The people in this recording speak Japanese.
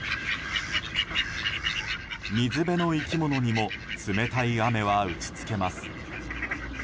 水辺の生き物にも冷たい雨は打ち付けます。